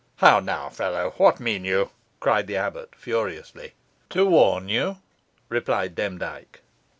"How now, fellow, what mean you?" cried the abbot, furiously. "To warn you," replied Demdike.